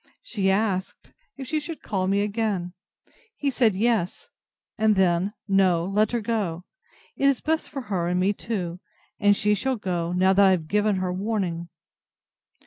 She asked, if she should call me again? He said, Yes; and then, No, let her go; it is best for her and me too; and she shall go, now I have given her warning.